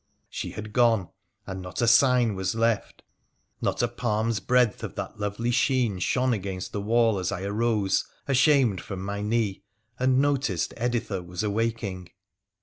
She had gone, and not a sign was left — not a palm's breadth of that lovely sheen shone against the wall as I arose ashamed from my knee and noticed Editha was awaking.